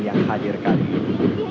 yang hadir kali ini